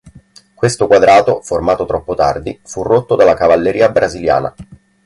Questo quadrato, formato troppo tardi, fu rotto dalla cavalleria brasiliana.